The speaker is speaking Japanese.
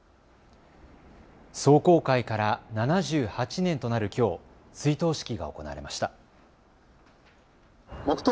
壮行会から７８年となるきょう、追悼式が行われました。